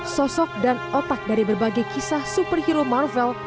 sosok dan otak dari berbagai kisah superhero marvel